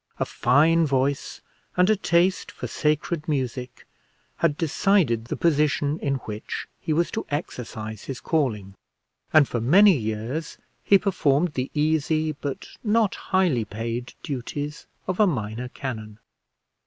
A fine voice and a taste for sacred music had decided the position in which he was to exercise his calling, and for many years he performed the easy but not highly paid duties of a minor canon.